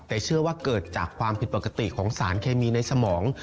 แต่เชื่อว่าเกิดจากความผิดปกติของสารเคมีในสมอง